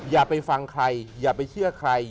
อย่าไปฟังใครอย่าไปเชื่อใคร